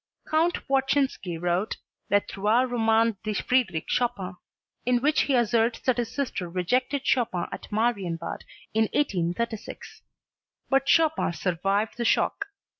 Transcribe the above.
Count Wodzinski wrote "Les Trois Romans de Frederic Chopin," in which he asserts that his sister rejected Chopin at Marienbad in 1836. But Chopin survived the shock.